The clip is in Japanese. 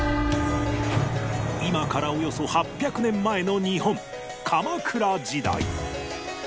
今からおよそ８００年前の日本鎌倉時代